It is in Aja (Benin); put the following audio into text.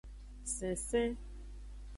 Sensen.